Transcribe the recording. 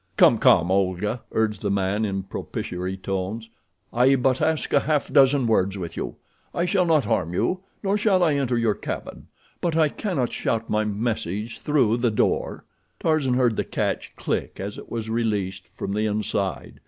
"Come, come, Olga," urged the man, in propitiary tones; "I but ask a half dozen words with you. I shall not harm you, nor shall I enter your cabin; but I cannot shout my message through the door." Tarzan heard the catch click as it was released from the inside.